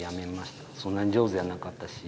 そんなに上手やなかったし。